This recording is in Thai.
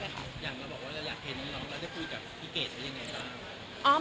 อยากมาบอกว่าเราอยากเห็นน้องแล้วได้คุยกับพี่เกดเขายังไงบ้าง